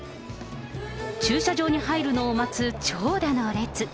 駐車場に入るのを待つ長蛇の列。